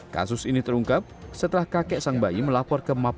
kasus ini terungkap setelah kakek sang bayi melapor ke map